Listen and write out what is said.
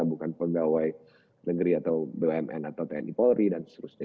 bukan pegawai negeri atau bumn atau tni polri dan seterusnya